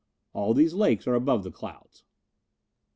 All these lakes are above the clouds.